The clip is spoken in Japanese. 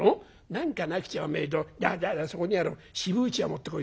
「何かなくちゃおめえああそこにある渋うちわ持ってこい。